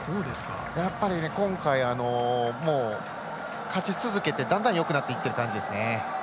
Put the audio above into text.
やっぱり、今回勝ち続けてだんだんよくなっている感じでした。